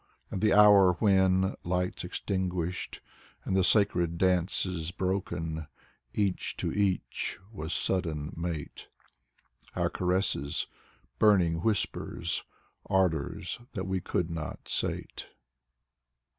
And the hour when, lights extinguished, and the sacred dances broken, — each to each was sudden mate; Our caresses, burning whispers, ardors that we could not sate.